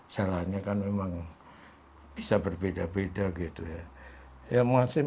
caranya kan memang bisa berbeda beda gitu ya